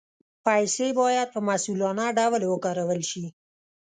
پیسې باید په مسؤلانه ډول وکارول شي.